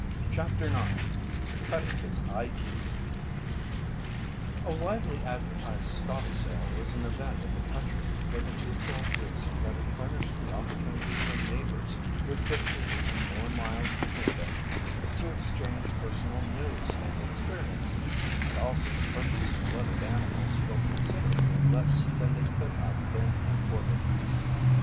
CHAPTER IX CUTTING HIS EYETEETH A widely advertised stock sale was an event in the country for the twofold reason that it furnished the opportunity for neighbours with fifty and more miles between them to exchange personal news and experiences and also to purchase blooded animals for considerably less than they could have been imported.